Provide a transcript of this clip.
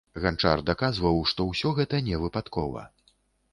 Ганчар даказваў, што ўсё гэта не выпадкова.